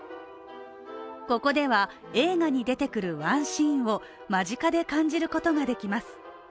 ここでは、映画に出てくるワンシーンを間近で感じることができます。